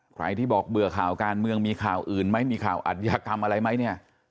ใครที่บอกเบื่อข่าวการเมืองมีข่าวอื่นไหมมีข่าวอัธยากรรมอะไรไหมเนี่ย